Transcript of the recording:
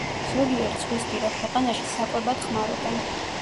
ზოგიერთ ზღვისპირა ქვეყანაში საკვებად ხმარობენ.